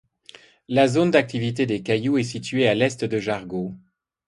La zone d'activités des Cailloux est située à l'est de Jargeau.